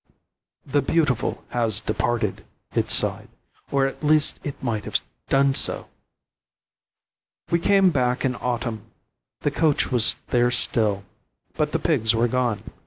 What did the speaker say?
"The beautiful has departed," it sighed or at least it might have done so. We came back in autumn. The coach was there still, but the pigs were gone.